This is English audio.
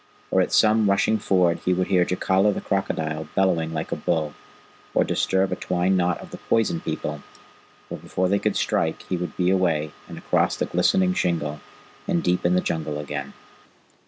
Or at some rushing ford he would hear Jacala the Crocodile bellowing like a bull, or disturb a twined knot of the Poison People, but before they could strike he would be away and across the glistening shingle, and deep in the Jungle again.